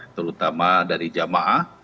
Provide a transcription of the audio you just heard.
terutama dari jemaah